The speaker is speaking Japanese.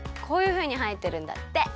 こういうふうにはえてるんだって。